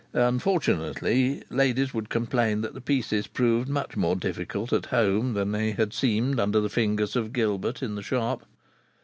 Unfortunately ladies would complain that the pieces proved much more difficult at home than they had seemed under the fingers of Gilbert in the shop.